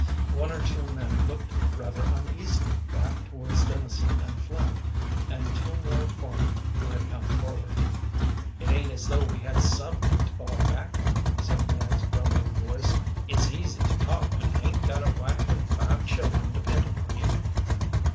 One or two men looked rather uneasily back towards Dennison and Flynn and two more foremen who had come forward. "It ain't as though we had something to fall back on," said a man's grumbling voice. "It's easy to talk when you 'ain't got a wife and five children dependent on you."